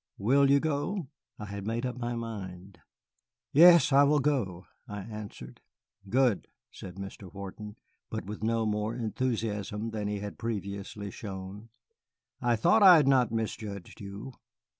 Will you go?" I had made up my mind. "Yes, I will go," I answered. "Good," said Mr. Wharton, but with no more enthusiasm than he had previously shown; "I thought I had not misjudged you.